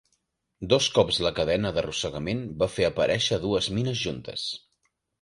Dos cops la cadena d'arrossegament va fer aparèixer dues mines juntes.